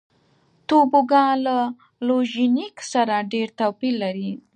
توبوګان له لوژینګ سره ډېر توپیر لري.